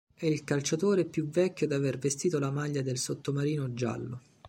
È il calciatore più vecchio ad aver vestito la maglia del "sottomarino giallo".